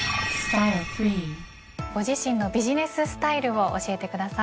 ご自身のビジネススタイルを教えてください。